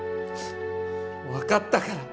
わかったから！